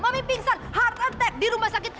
mami pingsan heart attack di rumah sakit